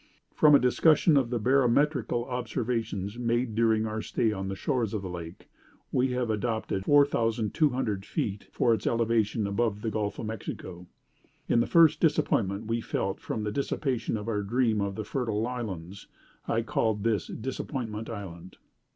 From a discussion of the barometrical observations made during our stay on the shores of the lake, we have adopted 4,200 feet for its elevation above the Gulf of Mexico. In the first disappointment we felt from the dissipation of our dream of the fertile islands, I called this Disappointment Island.